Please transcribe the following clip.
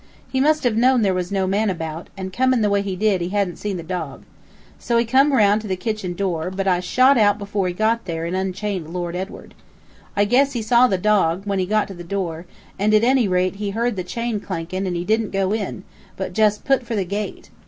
He must have known there was no man about, and, comin' the way he did, he hadn't seen the dog. So he come round to the kitchen door, but I shot out before he got there and unchained Lord Edward. I guess he saw the dog, when he got to the door, and at any rate he heard the chain clankin', and he didn't go in, but just put for the gate.